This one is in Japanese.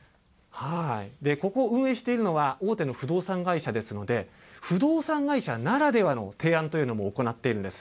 ここを運営しているのは大手の不動産会社ですので、不動産会社ならではの提案というのも行っているんです。